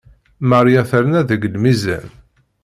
Maria terna deg lmizan.